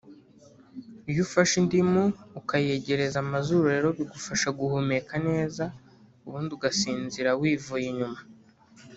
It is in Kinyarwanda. iyo ufashe indimu ukayegereza amazuru rero bigufasha guhumeka neza ubundi ugasinzira wivuye inyuma